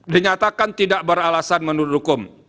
dinyatakan tidak beralasan menurut hukum